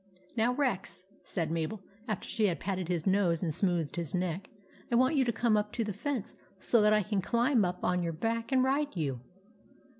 " Now, Rex," said Mabel, after she had patted his nose and smoothed his neck, " I want you to come up to the fence, so that I can climb up on your back and ride you."